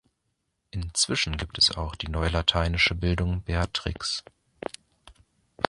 Inzwischen gibt es auch die neulateinische Bildung "Beatrix".